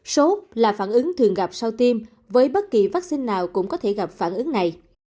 sốt là phản ứng thường gặp sau tim với bất kỳ vaccine nào cũng có thể gặp phản ứng này